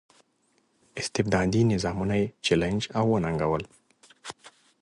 استبدادي نظامونه یې چلنج او وننګول.